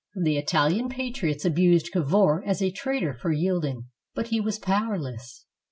The ItaUan patriots abused Cavour as a traitor for yielding, but he was powerless.